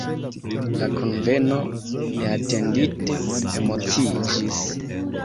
La kunveno neatendite emociiĝis.